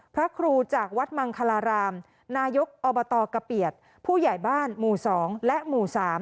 พระครูจากวัดมังคลารามนายกอบตกะเปียดผู้ใหญ่บ้านหมู่๒และหมู่๓